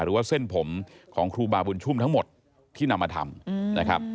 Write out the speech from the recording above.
หรือว่าเส้นผมของครูบาบุญชุ่มทั้งหมดที่นำมาทำนะครับ